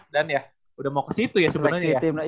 dan ya udah mau kesitu ya sebenernya ya